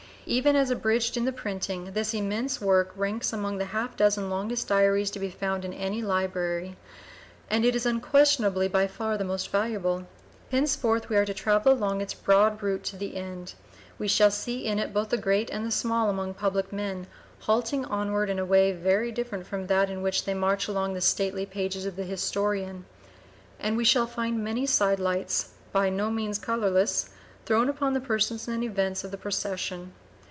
Even as abridged in the printing, this immense work ranks among the half dozen longest diaries to be found in any library, and it is unquestionably by far the most valuable. Henceforth we are to travel along its broad route to the end; we shall see in it both the great and the small among public men halting onward in a way very different from that in which they march along the stately pages of the historian, and we shall find many side lights, by no means colorless, thrown upon the persons and events of the procession.